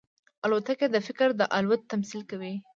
الوتکه د فکر د الوت تمثیل کوي.